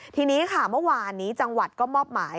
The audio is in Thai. ทีนี้ค่ะเมื่อวานนี้จังหวัดก็มอบหมาย